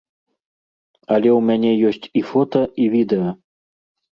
Але ў мяне ёсць і фота, і відэа.